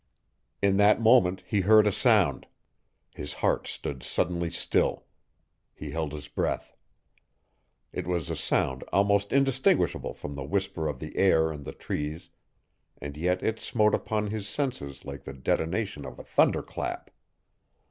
In that moment he heard a sound. His heart stood suddenly still. He held his breath. It was a sound almost indistinguishable from the whisper of the air and the trees and yet it smote upon his senses like the detonation of a thunder clap.